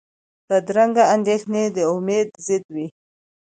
بدرنګه اندېښنې د امید ضد وي